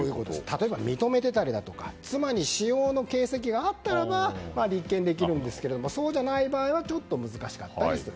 例えば認めてたりだったとか妻に使用の形跡があったならば立件できるんですけれどもそうじゃない場合はちょっと難しかったりする。